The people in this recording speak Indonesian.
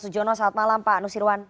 selamat malam pak nusirwan